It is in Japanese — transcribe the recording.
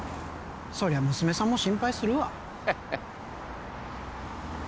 そりゃ娘さんも心配するわ